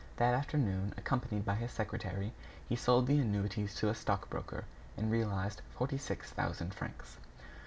That afternoon, accompanied by his secretary, he sold the annuities to a stock broker and realized forty six thousand francs.